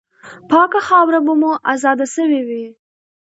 پاکه خاوره به مو آزاده سوې وي.